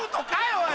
おい。